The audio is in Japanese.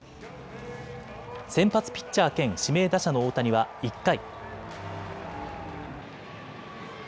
先発ピッチャー兼指名打者の大谷は１回。